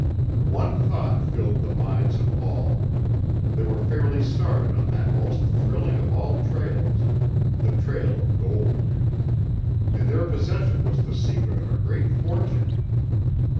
One thought filled the minds of all. They were fairly started on that most thrilling of all trails, the trail of gold. In their possession was the secret of a great fortune.